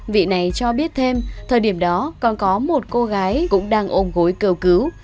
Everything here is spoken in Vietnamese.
vị này cho biết thêm thời điểm đó còn có một cô gái cũng đang ôm gối cầu cứu